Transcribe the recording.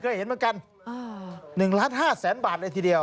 คุณเคยเห็นเหมือนกัน๑๕๐๐๐๐๐บาทเลยทีเดียว